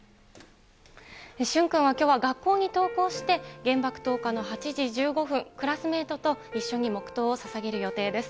駿君はきょうは学校に登校して、原爆投下の８時１５分、クラスメートと一緒に黙とうをささげる予定です。